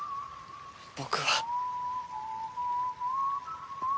僕は。